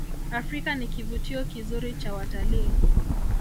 afrika ni kivutio kizuri cha wataliii